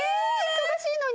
忙しいのに？